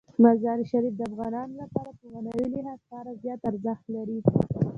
مزارشریف د افغانانو لپاره په معنوي لحاظ خورا زیات ارزښت لري.